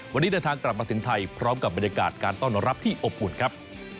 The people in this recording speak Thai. วันนี้เดินทางกลับมาถึงไทยพร้อมกับบรรยากาศการต้อนรับที่อบอุ่นครับ